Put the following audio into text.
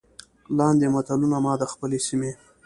لاندې متلونه ما د خپلې سيمې